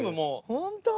ホント？